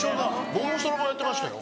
僕もそろばんやってましたよ。